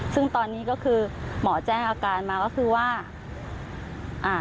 ซึ่งตอนนี้ก็คือหมอแจ้งอาการมาก็คือว่าอ่า